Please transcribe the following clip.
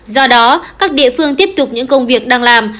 do đó các địa phương tiếp tục những công việc đang làm